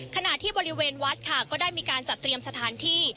ขณะที่บริเวณวัดค่ะก็ได้มีการจัดเตรียมสถานที่